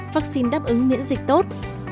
vaccine đáp ứng miễn dịch tốt